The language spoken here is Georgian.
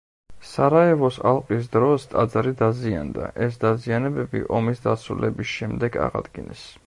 სარაევოს ალყის დროს ტაძარი დაზიანდა, ეს დაზიანებები ომის დასრულების შემდეგ აღადგინეს.